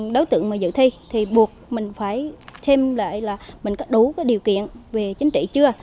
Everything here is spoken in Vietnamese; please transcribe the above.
đối tượng mà dự thi thì buộc mình phải xem lại là mình có đủ điều kiện về chính trị chưa